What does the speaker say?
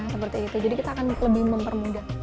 seperti itu jadi kita akan lebih mempermudah